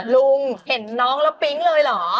ลุงเห็นน้องแล้วปิ๊งเลยเหรอ